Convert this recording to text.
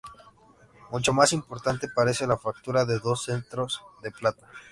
Mucho más importante parece la factura de dos cetros de plata.